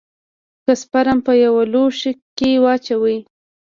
که سپرم په يوه لوښي کښې واچوې.